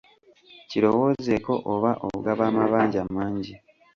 Kirowoozeeko oba ogaba amabanja mangi.